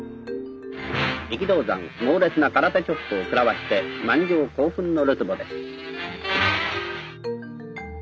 力道山猛烈な空手チョップを食らわして満場興奮のるつぼです。